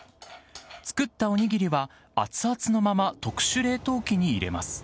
作ったお握りは熱々のまま、特殊冷凍機に入れます。